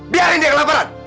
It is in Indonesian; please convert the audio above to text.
biarin dia kelaparan